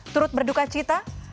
turut berduka cita